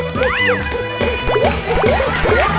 เป็นของให้ของกิน